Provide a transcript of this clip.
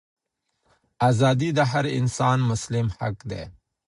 ازادي د هر انسان مسلم حق دی.